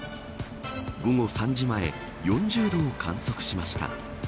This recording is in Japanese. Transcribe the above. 午後３時前４０度を観測しました。